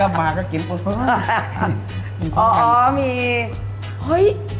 ให้คุณมาว่ากินเย็น